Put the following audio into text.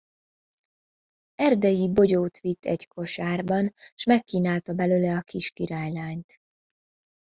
Erdei bogyót vitt egy kosárban, s megkínálta belőle a kis királylányt.